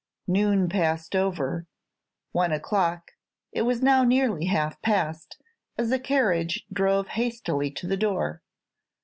Noon passed over, one o'clock; it was now nearly half past, as a carriage drove hastily to the door.